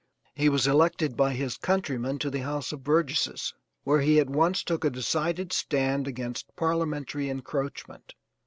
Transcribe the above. He was elected by his countrymen to the house of Burgesses where he at once took a decided stand against parliamentary encroachment.